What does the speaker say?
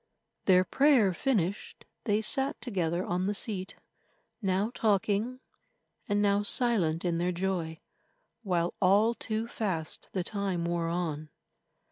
Their prayer finished, they sat together on the seat, now talking, and now silent in their joy, while all too fast the time wore on.